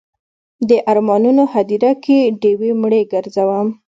د ارمانونو هدیره کې ډیوې مړې ګرځوم